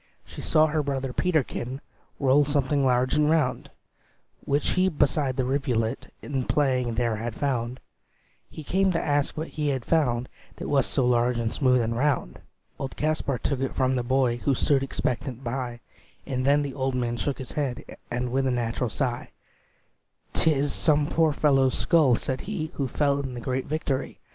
She saw her brother Peterkin Roll something large and round, Which he beside the rivulet In playing there had found; He came to ask what he had found, That was so large and smooth and round. Old Kaspar took it from the boy, Who stood expectant by; And then the old man shook his head, And with a natural sigh, "'T is some poor fellow's skull," said he, "Who fell in the great victory.